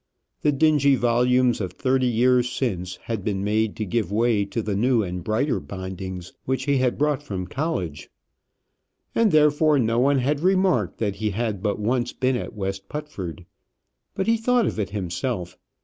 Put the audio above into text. The dingy volumes of thirty years since had been made to give way to the new and brighter bindings which he had brought from college. And therefore no one had remarked that he had but once been at West Putford. But he thought of it himself.